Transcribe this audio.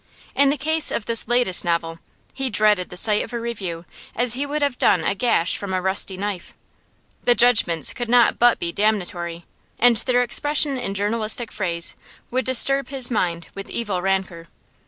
In the case of this latest novel he dreaded the sight of a review as he would have done a gash from a rusty knife. The judgments could not but be damnatory, and their expression in journalistic phrase would disturb his mind with evil rancour.